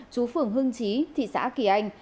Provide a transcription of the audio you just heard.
chú phường hưng chí thị xã kỳ anh